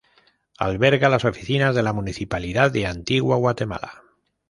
Alberga las oficinas de la Municipalidad de Antigua Guatemala.